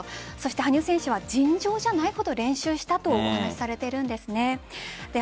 羽生選手は尋常じゃないほど練習したとお話しされているんです。